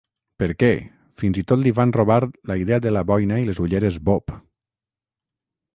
Per què, fins i tot li van robar la idea de la boina i les ulleres bop.